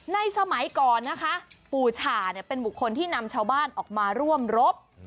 สมัยก่อนนะคะปู่ฉ่าเป็นบุคคลที่นำชาวบ้านออกมาร่วมรบ